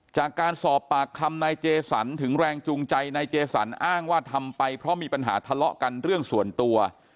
จากการสอบปากคำนายเจสันถึงแรงจูงใจนายเจสันอ้างว่าทำไปเพราะมีปัญหาทะเลาะกันเรื่องส่วนตัว